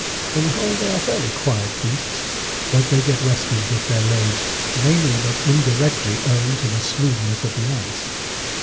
On the whole they are fairly quiet beasts, but they get restive with their loads, mainly but indirectly owing to the smoothness of the ice.